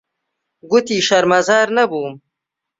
گوتی شەرمەزار نەبووم.